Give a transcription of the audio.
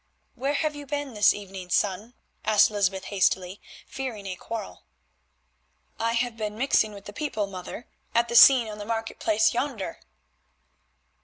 "Where have you been this evening, son?" asked Lysbeth hastily, fearing a quarrel. "I have been mixing with the people, mother, at the scene on the market place yonder."